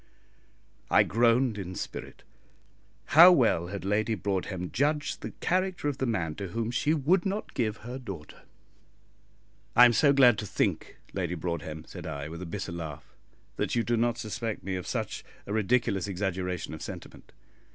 I groaned in spirit. How well had Lady Broadhem judged the character of the man to whom she would not give her daughter! "I am so glad to think, Lady Broadhem," said I, with a bitter laugh, "that you do not suspect me of such a ridiculous exaggeration of sentiment.